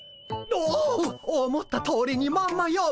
おお思ったとおりにまんまよむ。